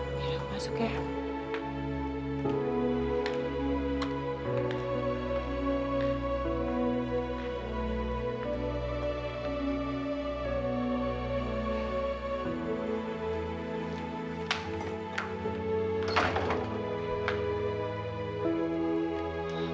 ya udah masuk ya